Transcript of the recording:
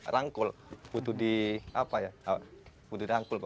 rangkul butuh di apa ya butuh di rangkul